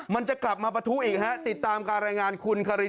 มันจะกลับมาปะทู้อีกฮะติดตามการรายงานคุณขรืนกะพุทย์ยธีน